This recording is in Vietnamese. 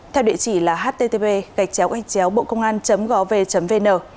theo địa chỉ là http bocongan gov vn